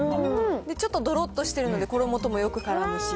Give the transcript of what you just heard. ちょっとどろっとしてるので、衣ともよくからむし。